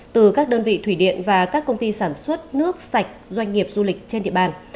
từ các đơn vị thủy điện và các công ty sản xuất nước sạch doanh nghiệp du lịch trên địa bàn